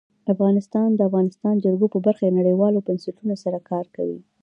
افغانستان د د افغانستان جلکو په برخه کې نړیوالو بنسټونو سره کار کوي.